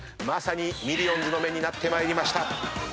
まさにミリオンズの目になってまいりました。